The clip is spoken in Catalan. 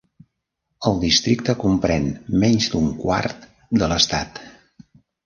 El districte comprèn menys d'un quart de l'estat.